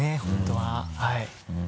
本当ははい。